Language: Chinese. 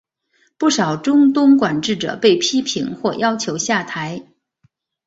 不少中东管治者被批评或要求下台。